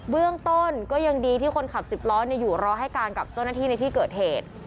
เรื่องต้นก็ยังดีที่คนขับสิบล้ออยู่รอให้การกับเจ้าหน้าที่ในที่เกิดเหตุ